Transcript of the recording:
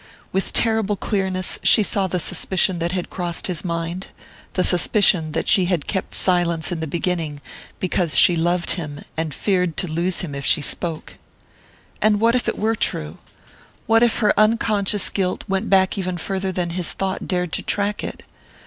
With terrible clearness she saw the suspicion that had crossed his mind the suspicion that she had kept silence in the beginning because she loved him, and feared to lose him if she spoke. And what if it were true? What if her unconscious guilt went back even farther than his thought dared to track it?